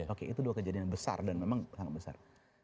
oke itu dua kejadian besar dan memang sangat besar